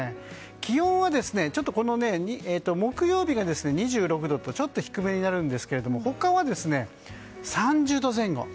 気温は木曜日が２６度とちょっと低めになるんですが他は３０度前後。